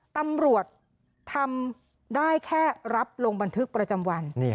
ตำรวจทำได้แค่รับลงบันทึกประจำวัน